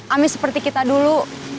amir seperti kita dulu